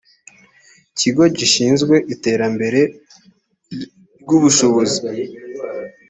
kigo gishinzwe iterambere ry ubushobozi